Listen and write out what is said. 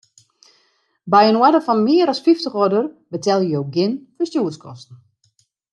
By in oarder fan mear as fyftich euro betelje jo gjin ferstjoerskosten.